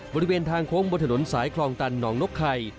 บริเวณทางโค้งบนถนนสายคลองตันหนองนกไข่